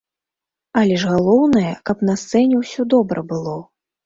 Але ж галоўнае, каб на сцэне ўсё добра было.